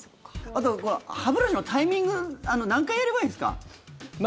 あと歯ブラシのタイミング何回やればいいんですか？